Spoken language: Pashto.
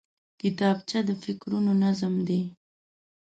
کتابچه د فکرونو نظم دی